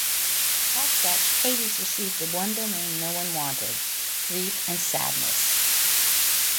As such, Hades received the one domain no one wanted: grief and sadness.